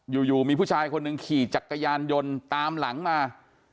อยู่มีผู้ชายคนหนึ่งขี่จักรยานยนต์ตามหลังมา